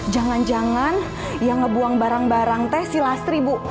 jangan jangan yang ngebuang barang barang teh silastri bu